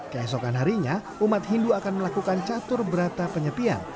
keesokan harinya umat hindu akan melakukan catur berata penyepian